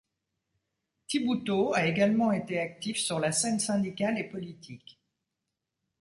Thiboutot a également été actif sur la scène syndicale et politique.